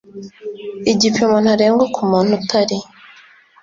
Igipimo ntarengwa ku muntu utari